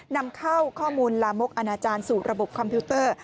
นำเข้าข้อมูลลามกอนาจารย์สู่ระบบคอมพิวเตอร์